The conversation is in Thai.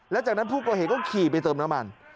แล้วจากนั้นผู้ก่อเหตุก็ขี่ไปเติมน้ำมัน